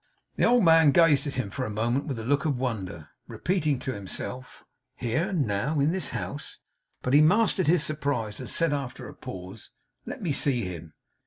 The old man gazed at him for a moment with a look of wonder, repeating to himself, 'Here now! In this house!' But he mastered his surprise, and said, after a pause: 'Let me see him.